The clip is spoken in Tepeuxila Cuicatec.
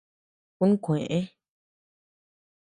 Un kúë.